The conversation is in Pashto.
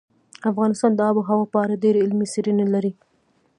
افغانستان د آب وهوا په اړه ډېرې علمي څېړنې لري.